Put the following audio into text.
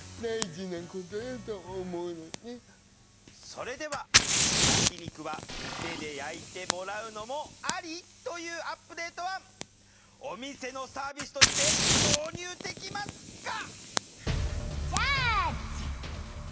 それでは「焼き肉は店で焼いてもらうのもアリ」というアップデート案お店のサービスとして導入できますか？